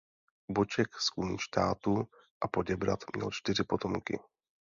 Boček z Kunštátu a Poděbrad měl čtyři potomky.